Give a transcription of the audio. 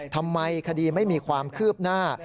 ทำไมคดีไม่มีความคืบหน้า